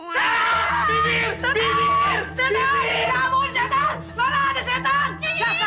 sampai jumpa di video selanjutnya